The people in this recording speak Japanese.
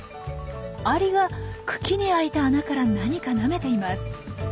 アリが茎に開いた穴から何かなめています。